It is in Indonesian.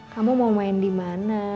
kamu mau main dimana